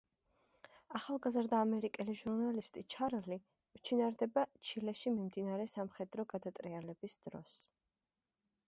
ახალგაზრდა ამერიკელი ჟურნალისტი ჩარლი უჩინარდება ჩილეში მიმდინარე სამხედრო გადატრიალების დროს.